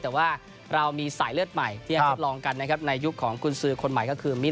แต่ว่าเรามีสายเลือดใหม่ที่จะทดลองกันในยุคของคุณสือคนใหม่